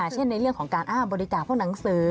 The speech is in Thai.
เช่นในเรื่องของการบริจาคพวกหนังสือ